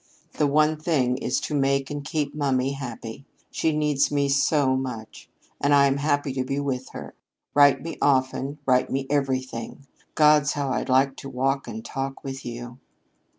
the one thing is to ¸make and keep mummy happy. She needs me so much. And I am happy to be with her. Write me often write me everything. Gods, how I'd like a walk and talk with you!"